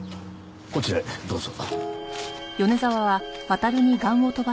こちらへどうぞ。